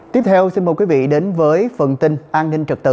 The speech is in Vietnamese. tiếp theo xin mời quý vị đến với phần tin